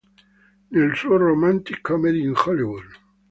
Nel suo "Romantic Comedy in Hollywood.